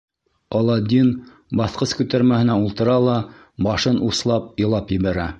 Аладдин баҫҡыс күтәрмәһенә ултыра ла башын услап, илап ебәрә.